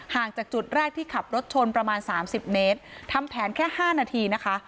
จากจุดแรกที่ขับรถชนประมาณสามสิบเมตรทำแผนแค่ห้านาทีนะคะ